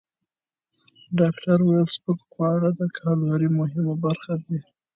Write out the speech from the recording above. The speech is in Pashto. ډاکټره وویل، سپک خواړه د کالورۍ مهمه برخه دي.